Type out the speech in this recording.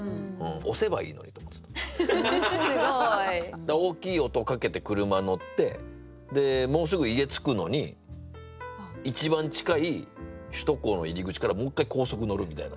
だから大きい音をかけて車乗ってもうすぐ家着くのに一番近い首都高の入り口からもう一回高速乗るみたいな。